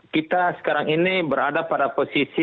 kita sekarang ini berada pada posisi